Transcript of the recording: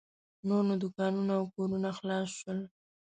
نور نو دوکانونه او کورونه خلاص شول.